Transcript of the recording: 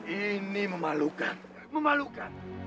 ini memalukan memalukan